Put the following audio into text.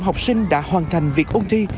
học sinh đã hoàn thành việc ôn thi